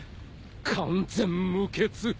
完全無欠。